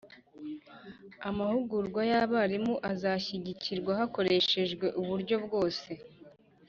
amahugurwa y'abarimu azashyigikirwa hakoreshejwe uburyo bwose.